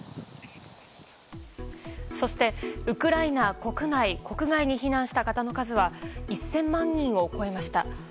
そして、ウクライナ国内国外に避難した方の数は１０００万人を超えました。